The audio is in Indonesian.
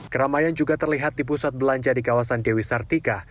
keramaian juga terlihat di pusat belanja di kawasan dewi sartika